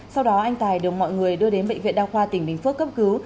sau đó anh tài được mọi người đưa đến bệnh viện đa khoa tỉnh bình phước cấp cứu